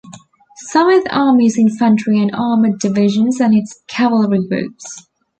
Seventh Army's Infantry and Armored divisions and its cavalry groups.